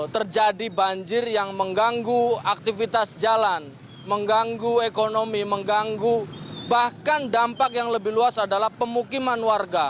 terjadi banjir yang mengganggu aktivitas jalan mengganggu ekonomi mengganggu bahkan dampak yang lebih luas adalah pemukiman warga